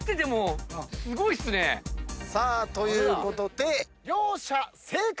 さあということで両者正解！